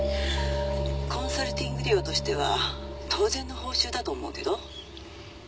「コンサルティング料としては当然の報酬だと思うけど？」